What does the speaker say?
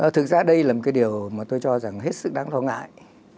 thực ra đây là một cái điều mà tôi cho rằng hết sức đáng lo ngại